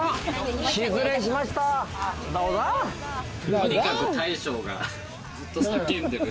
とにかく大将がずっと叫んでる。